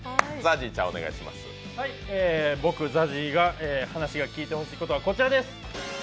僕、ＺＡＺＹが話を聞いてほしいことはこちらです。